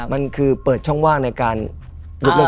มันคือเปิดช่องว่างในการยกเลิก